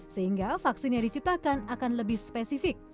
sehingga vaksin yang diciptakan akan lebih spesifik